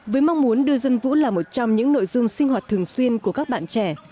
với mong muốn đưa dân vũ là một trong những nội dung sinh hoạt thường xuyên của các bạn trẻ